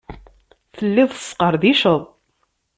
Telliḍ tesqerdiceḍ.